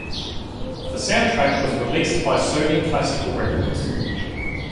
The soundtrack was released by Sony Classical Records.